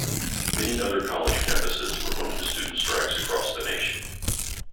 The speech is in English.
Many other college campuses were home to student strikes across the nation.